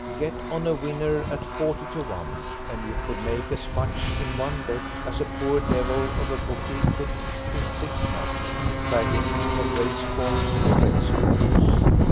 Get on a winner at forty to one, and you could make as much in one bet as a poor devil of a bookie could in six months, fagging from race course to race course.